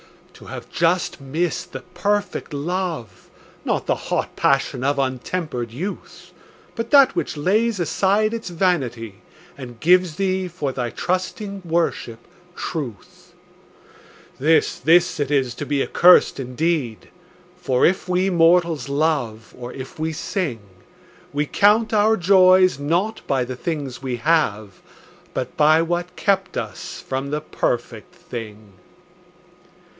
To have just missed the perfect love, Not the hot passion of untempered youth, But that which lays aside its vanity And gives thee, for thy trusting worship, truth— This, this it is to be accursed indeed; For if we mortals love, or if we sing, We count our joys not by the things we have, But by what kept us from the perfect thing.